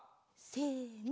せの。